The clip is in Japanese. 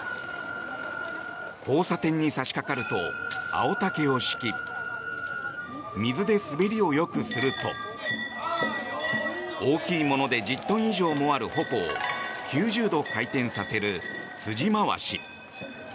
交差点に差しかかると青竹を敷き水で滑りをよくすると大きいもので１０トン以上もあるほこを９０度回転させる辻回し。